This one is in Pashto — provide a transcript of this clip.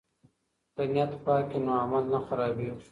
که نیت پاک وي نو عمل نه خرابیږي.